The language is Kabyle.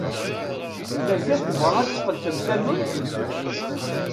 Mazal tebɣa ad teqqel d tamsallunt?